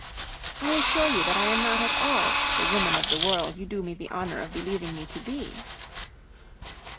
I assure you that I am not at all the 'woman of the world' you do me the honor of believing me to be."